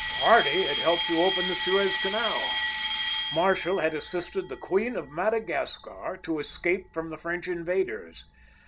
Hardy had helped to open the Suez Canal. Marshall had assisted the Queen of Madagascar to escape from the French invaders.